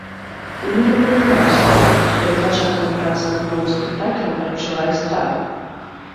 Пінігін прызнаўся, што перад пачаткам працы над новым спектаклем адчувае страх.